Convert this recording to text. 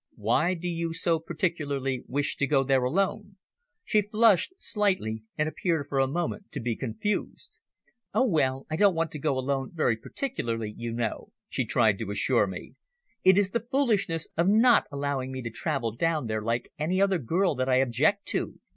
"Why do you so particularly wish to go there alone?" She flushed slightly, and appeared for a moment to be confused. "Oh, well, I don't want to go alone very particularly, you know," she tried to assure me. "It is the foolishness of not allowing me to travel down there like any other girl that I object to.